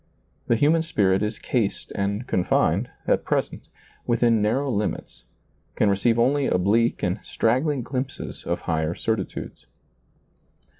The human spirit is cased and confined, at present, within narrow limits, can receive only oblique and straggling glimpses of higher certitudes.